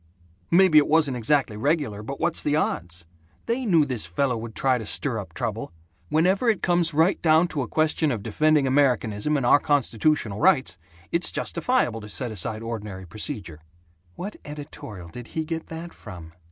"Maybe it wasn't exactly regular, but what's the odds? They knew this fellow would try to stir up trouble. Whenever it comes right down to a question of defending Americanism and our constitutional rights, it's justifiable to set aside ordinary procedure." "What editorial did he get that from?"